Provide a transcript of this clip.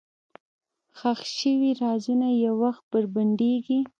ښخ شوي رازونه یو وخت بربنډېږي.